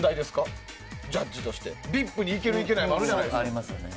ＶＩＰに行ける、行けないもあるじゃないですか。